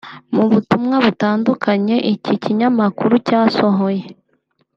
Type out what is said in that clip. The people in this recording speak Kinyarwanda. Mu butumwa butandukanye iki kinyamakuru cyasohoye